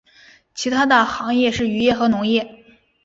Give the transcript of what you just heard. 其它的行业是渔业和农业。